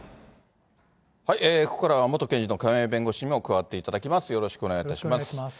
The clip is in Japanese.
ここからは元検事の亀井弁護士にも加わっていただきたいと思います。